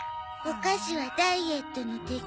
お菓子はダイエットの敵。